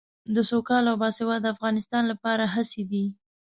د سوکاله او باسواده افغانستان لپاره هڅې دي.